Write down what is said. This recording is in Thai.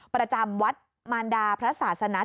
ประจำวัดมารดาพระศาสนัท